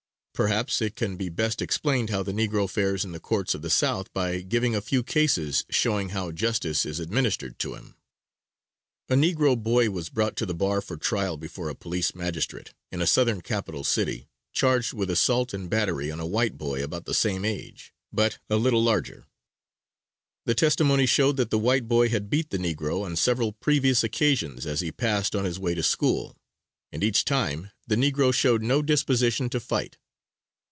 Perhaps it can be best explained how the negro fares in the courts of the South by giving a few cases showing how justice is administered to him: A negro boy was brought to the bar for trial before a police magistrate, in a Southern capital city, charged with assault and battery on a white boy about the same age, but a little larger. The testimony showed that the white boy had beat the negro on several previous occasions as he passed on his way to school, and each time the negro showed no disposition to fight.